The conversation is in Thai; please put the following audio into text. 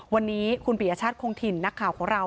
วันนี้คุณปียชาติคงถิ่นนักข่าวของเรา